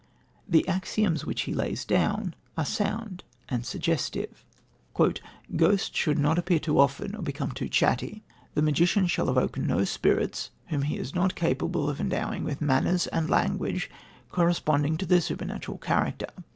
The axioms which he lays down are sound and suggestive: "Ghosts should not appear too often or become too chatty. The magician shall evoke no spirits, whom he is not capable of endowing with manners and language corresponding to their supernatural character.